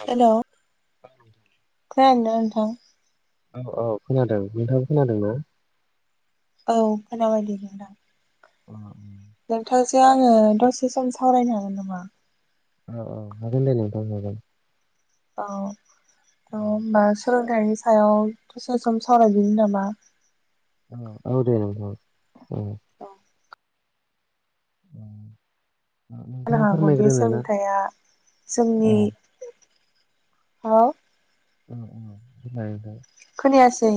औ -औ-। द नों नोंथां। औ -औ -खोनादों नोंथाङाबो खोनादों न'। औ खोनाबाय दे नोंथां। अ। नोंथांजों आङो दसे सम सावरायनो हागोन नामा। औ- औ -नोंगो दे नोंथां नंगौ। अ अ ओमबासो। नि सायाव दसे सम सावराय बिनो नामा। औ दे नोंथां ओ। औ। औ। जानो हागौदि सोलोंथाइया औ जोंनि। हेलौ। औ- औ- बिलायैनो। थियासै।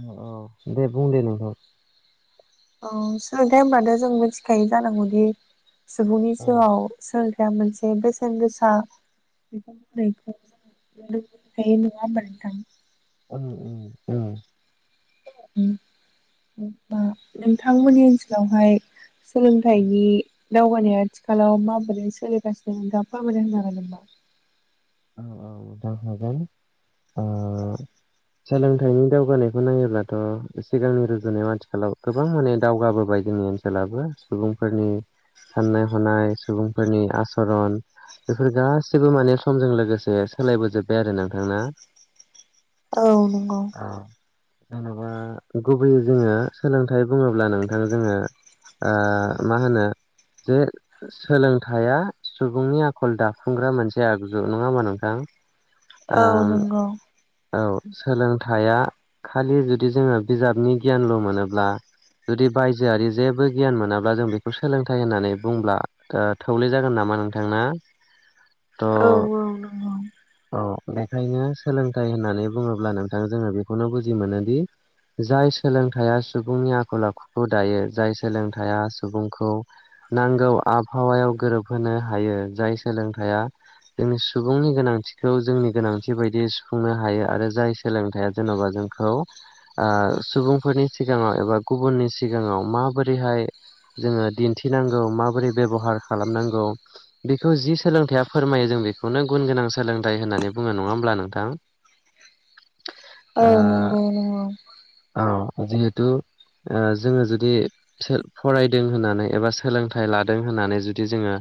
औ- औ -दे बुं दे नोंथां। अ सोलोंथाइ होनब्लाथ' जों मिथिखायो जानांगौदि सुबुंनि औ जिउआव सोर। जा मोनसे बेसेन गोसा। बिनो ब नङा ओमबा नों थां। उ- उ -औ-। उ नोंथांमोननि ओनसोलावहाय। सोलोंथाइनि दावगानाया आथिखालाव माबोरै सोलिगासिनो नोंथाङा फोरमायना होनो हागोन नामा। औ -औ -जों हागोन औ। द। सोलोंथाइनि दावगानायखौ नायोब्लाथ' सिगांनि रुजुनायाव आथिखालाव गोबां माने दावगाबोबायदि। जोंनि ओनसोललाबो सुबुंफोरनि। साननाय हनाय सुबुंफोरनि आसरन बेफोर गासिबो माने। समजों लोगोसे सोलायबोजोब्बाय आरो नोंथांना। औ नंगौ। जेनेबा गुबैयै जोङो सोलोंथाइ बुङोब्ला नोंथां जोङो। ओ मा होनो। जे सोलोंथाइया सुबुंनि आखल दाफुंग्रा मोनसे आगु। जब नङा होमबा नोंथां। औ ओम नंगौ। औ सोलोंथाइया खालि जुदि जोङो बिजाबनि गियानल' मोनोब्ला। जुदि बायजोआरि जेबो गियान मोनाब्ला जों बेखौ सोलोंथाइ होननानै बुंब्ला ओ थौले जागोन नामा। मा नोंथांना। औ औ औ बेखायनो सोलोंथाइ होननानै बुङोब्ला नोंथां जोङो बेखौनो बुजि मोनो दि जाय सोलोंथाइया सुबुंनि आखल आखुखौ दायो जाय सोलोंथायाइया सुबुंखौ नांगौ आबहावायाव गोरोबहोनो हायो जाय सोलोंथाइया जोंनि सुबुंनि गोनांथि खौ जोंनि गोनांथि बायदिय सुफुंनो हायो आरो जाय सोलोंथाइया जेन'बा जोंखौ ओ सुबुंफोरनि सिगाङाव एबा गुबुननि सिगाङाव माबोरैहाय जोङो दिन्थिनांगौ माबोरै बेबहार खालामनांगौ बेखौ जि सोलोंथाइया फोरमायो जों बेखौनो गुन गोनां सोलोंथाइ होननानै बुङो नङा होमब्ला नोंथां औ ओ नंगौ। जिहेतु। ओ जोङो जुदि फरायदों होननानै एबा सोलोंथाइ लादों होननानै जुदि जोङो।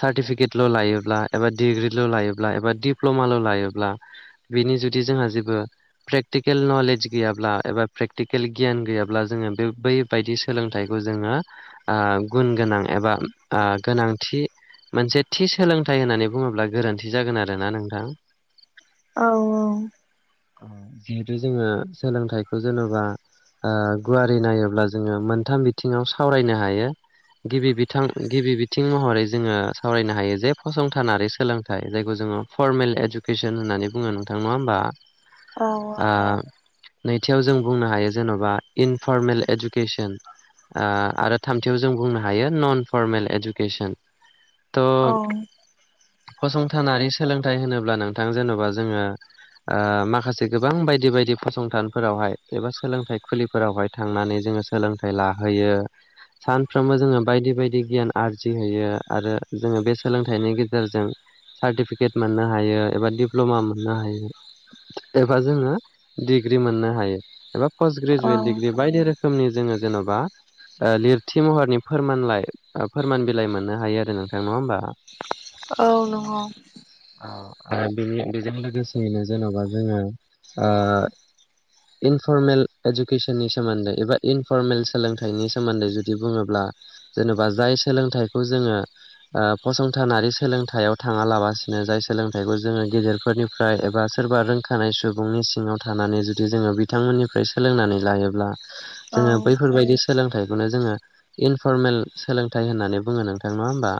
सार्टिफिकेटल' लायोब्ला एबा डिग्रिल' लायोब्ला एबा दिप्ल'माल' लायोब्ला बिनि जुदि जोंहा जेबो प्रेकटिकेल नलेज गैाब्ला एबा प्रेक्टिकेल गियान गैयाब्ला जोङो बे बैबायदि सोलोंथाइखौ जोङो ओ गुन गोनां एबा गोनांथि मोनसे थि सोलोंथाइ होननानै बुङोब्ला गोरोन्थि जागोन आरो। खोनादोंना नोंथां। औ औ। जिहेथु जोङो सोलोंथाइखौ जेनेबा ओ ओगुवारि नायोब्ला जोङो मोनथाम बिथिङाव सावरायनो हायो। गिबि बिथां गिबि बिथिं महरै जोङो सावरायनो हायो जे फसंथानारि सोलोंथाइ जायखौ जोङो। फरमेल इडुकेसन होननानै बुङो नोंथां नङा होमबा। औ नैथियाव जों बुंनो हायो जेन'बा इनफरमेल इडुकेसन। ओ आरो थामथियाव जों बुंनो हायो नन फरमेल इडुकेसन। औ। थ' फसंथानारि सोलोंथाइ होनोब्ला नोंथां जेन'बा जोङो। ओ माखासे गोबां बायदि बायदि फसंथानफोरावहाय एबा सोलोंथाइ खुलिफोरावहाय थांनानै जों जोङो सोलोंथाइ लाहोयो। सानफ्रोमबो जोङो बायदि बायदि गियान आरजिहैयो आरो जोङो बे सोलोंथाइनि गेजेरजों सार्टिफिकेट मोननो हायो एबा डप्ल'मा मोननो हायो। एबा जोङो डिग्रि मोननो हायो। एबा पस्ट ग्रेजुवेट डिग्रि बायदि रोखोमनि जोङो जेन'बा लिरथि महरनि फोरमानलाइ फोरमान बिलाइ मोननो हायो आरो नोंथां नङा होमबा। औ नंगौ। बे बेजों लोगोसेयैनो जेन'बा जोङो। इनफरमेल इडुकेसननि सोमोन्दै एबा इनफरमेल सोलोंथाइनि सोमोन्दै जुदि बुङोब्ला। जेनेबा जाय सोलोंथाइखौ जोङो। ओ फसंथानारि सोलोंथायाइयाव थाङा लाबसे जाय सोलोंथाइखौ जोङो गेदेरफोरनिफ्राय एबा सोरबा रोंखानाय सुबुंनि सिङाव थानानै जुदि जोङो बिथांमोननिफ्राय सोलोंनानै लायोब्ला जोङो बैफोरबायदि सोलोंथाइखौनो जोङो इनफरमेल सोलोंथाइ होननानै बुङो नोंथां नङा होमबा।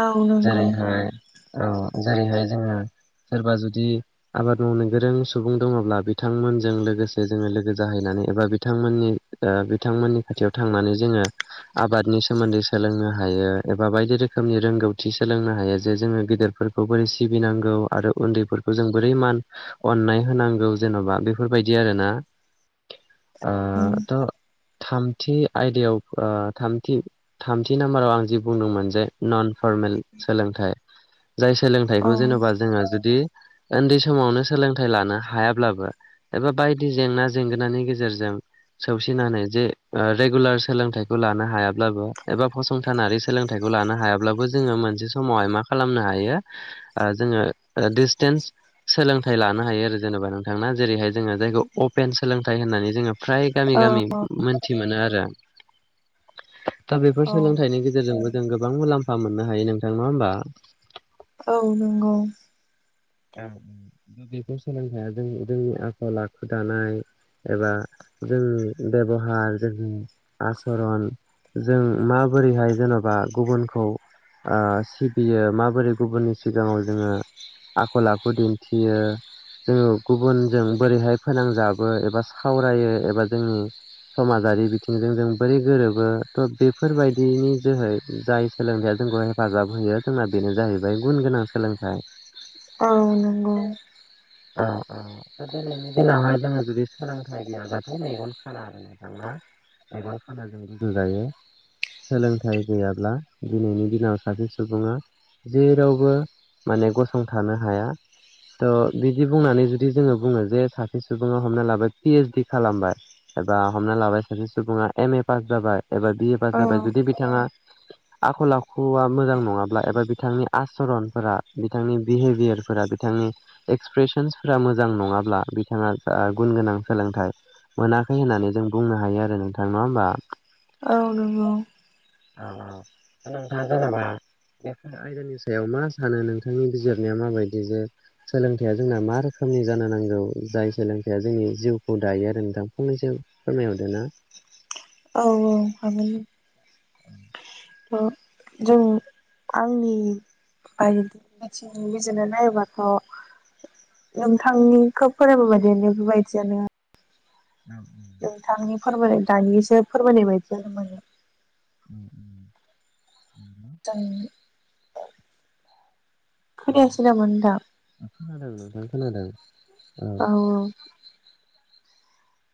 औ नंगौ। जेरैहाय औ जेरैहाय जोङो। सोरबा जुदि आबाद मावनो गोरों सुबुं दङब्ला बिथांमोनजों लोगोसे जोङो लोगो जाहैनान बा बिथां बिथांमोननि खाथियाव थांनानै जोङो आबादनि सोमोन्दै सोलोंनो हायो एबा बायदि रोखोमनि रोंगौथि सोलोंनो हायो। जे जोङो गेदेरफोरखौ बोरै सिबिनांगौ आरो उन्दैफोरखौ जों बोरै मान अननाय होनांगौ। जेन'बा बेफोरबायदि आरो ना ओ थ'। थामथि आयदायाव थामथि थामथि नाम्बाराव आं जि बुंदोंमोन जे नन फ फर्मेल सोलोंथाइ। जाय औ सोलोंथाइखौ जेन'बा जोङो जुदि उन्दै समावनो सोलोंथाइ लानो हायाब्लाबो एबा बायदि जेंना जेंगोननि गेजेरजों सौसिनानै जे ओ रेगुलार सोलोंथाइखौ लानो हायाब्लाबो एबा फसंथानारि सोलोंथाइख खौ लानो हायाब्लाबो जोङो मोनसे समावहाय मा खालामनो हायो ओ जोङो डिसटेन्स सोलोंथाइ लानो हायो आरो जेनेबा नोंथां ना जेरैहाय जोङो जायखौ अपेन सोलोंथाइ होननानै जोङो फ्राय गामि गामि मोनथि मोनो आरो दा बेफोर सोलोंथाइनि गेजेरजोंबो जों गोबां मुलाम्फा मोननो हायो नोंथां, नङा होमबा? औ नंगौ औ औ बेफोर सोलोंथाया जों-जोंनि आखाव आखु दानाय एबा जोंनि बेबहार जोंनि आसरन जों माबोरैहाय जेनेबा गुबुनखौ ओ सिबियो माबोरै गुबुननि सिगाङाव जोङो आखल आखु दिन्थियो जोङो गुबुनजों बोरैहाय फोनांजाबो एबा सावरायो एबा जोंनि समाजारि बिथिंजों जों बोरै गोरोबो थ' बेफोरबायदिनि जोहै जाय सोलोंथाइया जोंखौ हेफाजाब होयो जोंना बेनो जाहैबाय गुन गोनां सोलोंथाइ । औ नंगौ औ औ दा दिनैनि दिनावहाय जोङो जुदि सोलोंथाइ गैयाबाथाय मेगन खाना आरो नोंथां ना एबा खानाजों रुजु जायो सोलोंथाइ गैयाब्ला दिनैनि दिनाव सासे सुबुङा जेरावबो माने गसंथानो हाया थ' बिदि बुंनानै जुदि जोङो बुङो जे सासे सुबुङा हमना लाबाय पि ओइस डि खालामबाय एबा हमना लाबाय सासे सुबुङा एम ए पास जाबाय एबा बि ए पास औ जाबाय जुदि बिथाङा आखल आखुआ मोजां नङाब्ला एबा बिथांनि आसरनफोरा बिथांनि बिहेभियारफोरा बिथांनि एक्सप्रेसनसफोरा मोजां नङाब्ला बिथाङा जा गुन गोनां सोलों [unintelligible] थाइ मोनाखै होननानै जों बुंनो हायो आरो नोंथां नङा होमबा? औ नंगौ नोंथां जेनेबा बे आयदानि सायाव मा सानो? नोंथांनि बिजिरनाया माबायदि जे सोलोंथाइया जोंना मा रोखोम नि जानो नांगौ जाय सोलोंथाइया जोंनि जिउखौ दायोआरो नोंथां फंनैसो फोरमायहरदो ना औ औ हागोन [inaudible] औ जों आंनि बायदि बिथिंनि गेजेरजों बिजिरनाय नायोबाथ' नोंथांनिखौ फोरमायबोनाय बे बायदियानो औ नोंथांनि फोरमायनाय दानिसो फोरमायनाय बायदियानो मोने उम उम जायो खोनायासै नामा नोंथां? खोनादों नोंथां खोनादों औ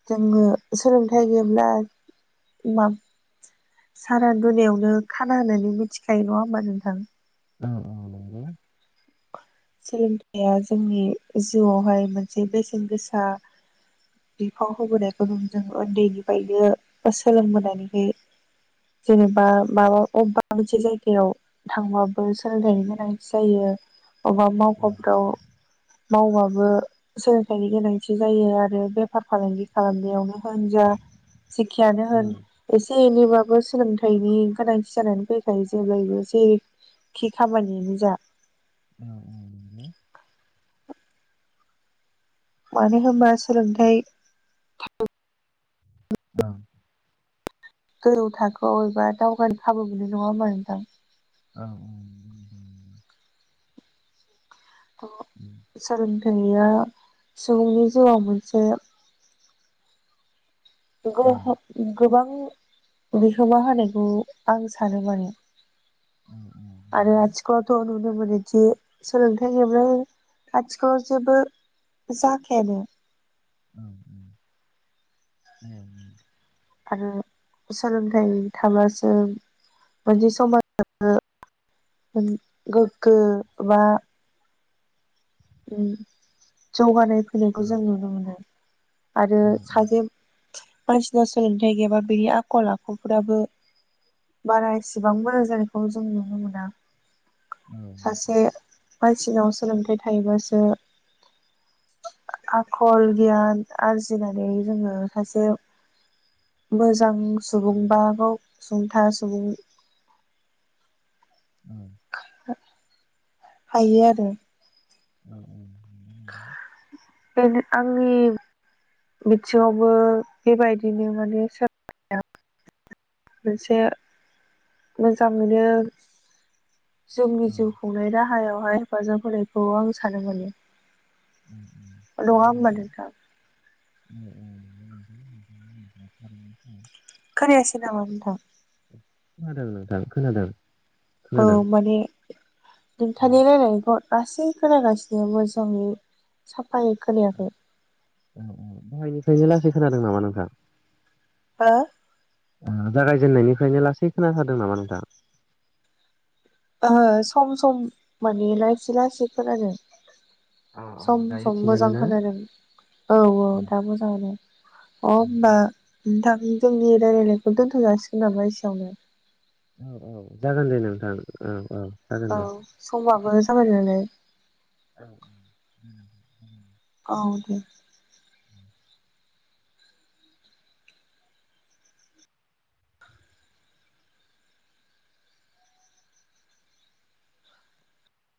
जोङो सोलोंथाइ गैब्ला मा सारा दुनियावनो खाना होननानै मिथिखायो नङा होमबा नोंथां? औ औ नंगौ सोलोंथाइया जोंनि जिउआवहाय मोनसे बेसेन गोसा बिफाव होबोनायखौ जों उन्दैनिफ्रायनो सोलोंबोनानैहाय जेनेबा माबा अबेबा मोनसे जायगायाव थांबाबो सोलोंथाइनि गोनांथि जायो अबा मावख'फ्राव मावबाबो सोलोंथाइनि गोनांथि जायो आरो बेफार फालांगि खालामनायावनो होन जा जिखियानो उम होन एसे एनैबाबो सोलोंथाइनि गोनांथि जानानै फैखायो जेब्लायबो जेरै खि खामानियानो जा औ औ नंगौ मानो होनबा सोलोंथाइ औ [unintelligible] थाखो अबेबा दावगानो खाबु मोनो नङाप होनबा नोंथां औ [unintelligible] अ जागोनदे नोंनिया सुबुंनि जिउआव मोनसे [unintelligible] गोबां बिहोमा होनायखौ आं सानो मानि औ। आरो आथिखालावथ' नुनो मोनोदि सोलोंथाइ गैयाब्ला आथिखालाव जेबो जाखायनो। उम उम ए उम। आरो सोलोंथाइ थाब्लासो मोनसे समाजाबो उम गोग्गो बा उम जौगानाय फैनायखौ जों नुनो मोनो। आरो सासे मानसिनाव सोलोंथाइ गैयाबा बिनि आखल आखुफोराबो बारा एसेबांबो मोजांखौ जों नुनो मोना। सासे मानसिनाव सोलोंथाइ थायोबासो आखल, गियान आरजिनानै जोङो सासे मोजां सुबुं बा गाव सुंथा सुबुं हायो आरो। उम उम उम। बेनो आंनि बिथिङावबो बेबायदिनो माने [unintelligible] मोनसे मोजां मोनो ‌ जोंनि जिउ खुंनाय राहायावहाय हेफाजाब होनायखौ आं सानो माने। उम उम, नङा होमबा नोंगौ नोंथां नोंथां। औ औ [unintelligible] खोनायासै नामा नोंथां? खोनादों? औ माने नोंथानि रायलायनायखौ गासै खोनागासिनो मोजांङि साब औ औ दहायनिफ्रायनो लासै खोनादों नामा नोंथां? हो? उम जागायजेन्नायनिफ्रायनो लासै खोनाथारदों नामा नोंथा? ओ सम सम माने लासै लासै खोनादों। अ अ सम दायो सम थिगानो मोजां ना खोनादों, औ औ दा मोजाङानो। अ होमबा नोंथां जोंनि रायलायनायखौ दोन्थ' जासिगोन नामा एसेयावनो? औ औ जागोन दे नोंथां औ औ। जागोन दे औ समाबो जाबाय नालाय। औ उम उम उम। औ दे।